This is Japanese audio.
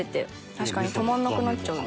確かに止まらなくなっちゃうな。